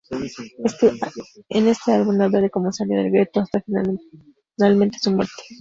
En este álbum habla de como salió del ghetto hasta finalmente su muerte.